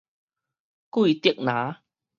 桂竹林